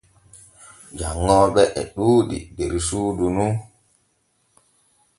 Janŋooɓe e ɗuuɗi der suudu nu.